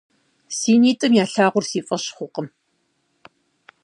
Си нитӀым ялъагъур си фӀэщ хъуркъым.